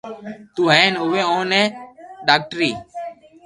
تو ھين اووي اوني ڌاڪٽري